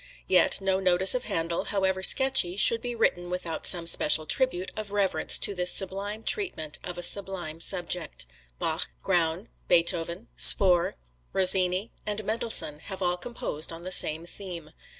Yet no notice of Handel, however sketchy, should be written without some special tribute of reverence to this sublime treatment of a sublime subject. Bach, Graun, Beethoven, Spohr, Rossini and Mendelssohn have all composed on the same theme.